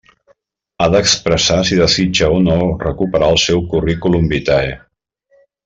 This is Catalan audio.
Ha d'expressar si desitja o no recuperar el seu curriculum vitae.